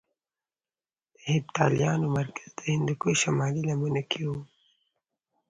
د هېپتاليانو مرکز د هندوکش شمالي لمنو کې کې وو